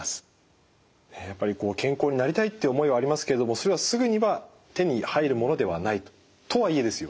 やっぱり健康になりたいって思いはありますけれどもそれはすぐには手に入るものではないと。とはいえですよ